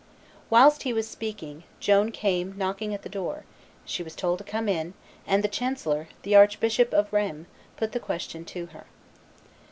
Whilst he was speaking, Joan came knocking at the door; she was told to come in; and the chancellor, the Archbishop of Rheims, put the question to her.